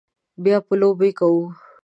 بیا به لوبې کوو